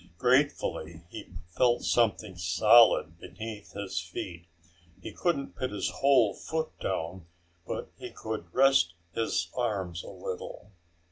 Gratefully he felt something solid beneath his feet. He couldn't put his whole foot down, but he could rest his arms a little.